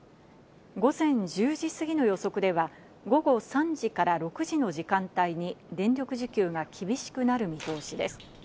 午前１０時過ぎの予測では、午後３時から６時の時間帯に電力需給が厳しくなる見通しです。